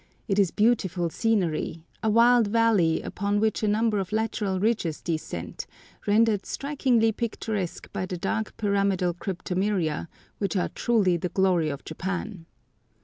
It is beautiful scenery—a wild valley, upon which a number of lateral ridges descend, rendered strikingly picturesque by the dark pyramidal cryptomeria, which are truly the glory of Japan.